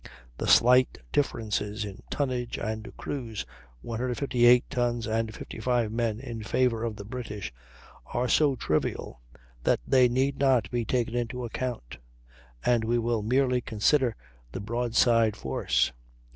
The slight differences in tonnage and crews (158 tons and 55 men, in favor of the British) are so trivial that they need not be taken into account, and we will merely consider the broadside force.